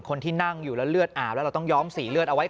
คนที่นั่งอยู่แล้วเลือดอาบแล้วเราต้องย้อมสีเลือดเอาไว้ก่อน